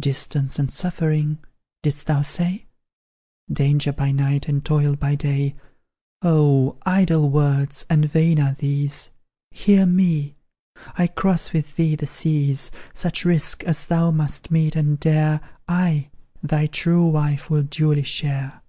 "Distance and suffering," didst thou say? "Danger by night, and toil by day?" Oh, idle words and vain are these; Hear me! I cross with thee the seas. Such risk as thou must meet and dare, I thy true wife will duly share.